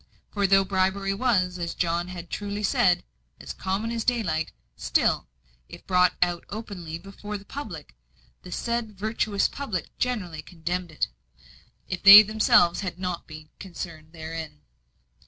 For though bribery was, as John had truly said, "as common as daylight," still, if brought openly before the public, the said virtuous public generally condemned it, if they themselves had not been concerned therein.